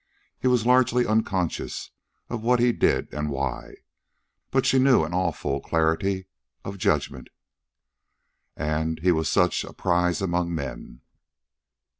He was largely unconscious of what he did and why. But she knew in all full clarity of judgment. And he was such a prize among men.